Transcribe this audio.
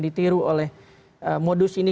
ditiru oleh modus ini